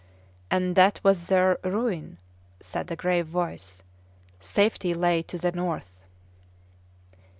"And that was their ruin!" said a grave voice. "Safety lay to the north."